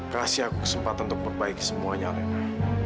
kasih aku kesempatan untuk perbaiki semuanya lena